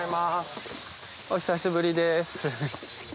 お久しぶりです。